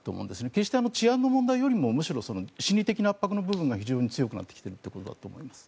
決して治安の問題よりもむしろ、心理的な圧迫の部分が非常に強くなってきているということだと思います。